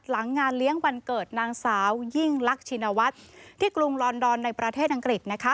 งานเลี้ยงวันเกิดนางสาวยิ่งลักชินวัฒน์ที่กรุงลอนดอนในประเทศอังกฤษนะคะ